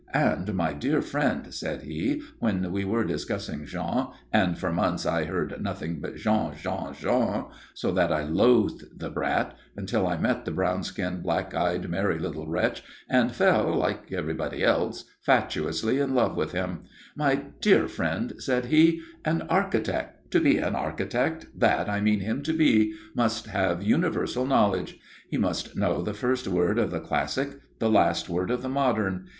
"And, my dear friend," said he, when we were discussing Jean and for months I heard nothing but Jean, Jean, Jean, so that I loathed the brat, until I met the brown skinned, black eyed, merry little wretch and fell, like everybody else, fatuously in love with him "my dear friend," said he, "an architect, to be the architect that I mean him to be, must have universal knowledge. He must know the first word of the classic, the last word of the modern.